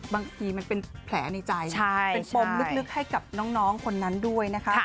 บางทีมันเป็นแผลในใจเป็นปมลึกให้กับน้องคนนั้นด้วยนะคะ